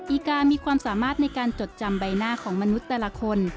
อีกามีความสามารถในการจดจำใบหน้าของมนุษย์แต่ละคน